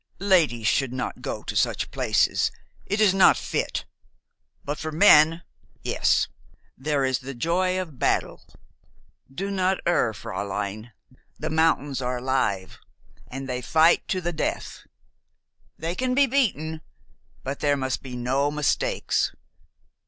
"Ladies should not go to such places. It is not fit. But for men, yes. There is the joy of battle. Do not err, fräulein, the mountains are alive. And they fight to the death. They can be beaten; but there must be no mistakes.